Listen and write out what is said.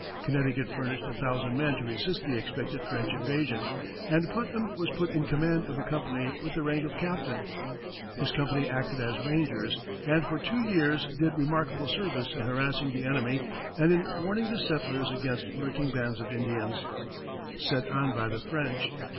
Connecticut furnished a thousand men to resist the expected French invasion, and Putnam was put in command of a company with the rank of captain. His company acted as rangers, and for two years did remarkable service in harassing the enemy and in warning the settlers against lurking bands of Indians, set on by the French.